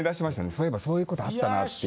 そういえばそういうことあったなっていう。